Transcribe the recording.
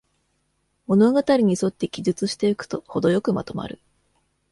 物語にそって記述していくと、ほどよくまとまる